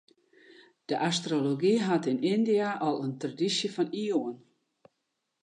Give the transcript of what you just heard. De astrology hat yn Yndia al in tradysje fan iuwen.